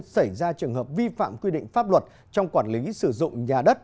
xảy ra trường hợp vi phạm quy định pháp luật trong quản lý sử dụng nhà đất